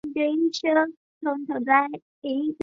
夷隅市是千叶县房总半岛东南部的一市。